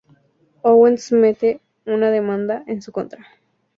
Owens mete una demanda en su contra.